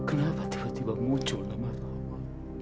kenapa tiba tiba muncul nama allah